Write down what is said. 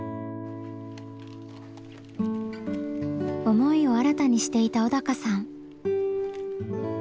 思いを新たにしていた小鷹さん。